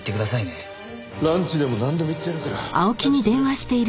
ランチでもなんでも行ってやるから早くしてくれ。